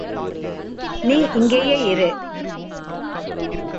நீ இங்கேயே இரு.